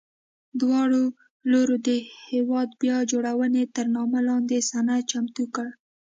دواړو لورو د هېواد بیا جوړونې تر نامه لاندې سند چمتو کړ.